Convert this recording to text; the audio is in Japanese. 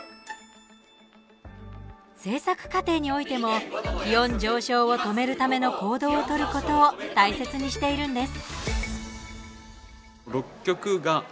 制作過程においても気温上昇を止めるための行動を取ることを大切にしているんです。